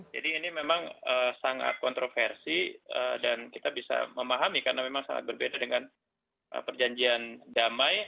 jadi ini memang sangat kontroversi dan kita bisa memahami karena memang sangat berbeda dengan perjanjian damai